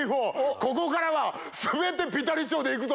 ここからは全てピタリ賞で行くぞ！